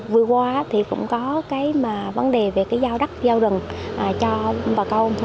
vừa qua thì cũng có vấn đề về giao đắc giao rừng cho bà công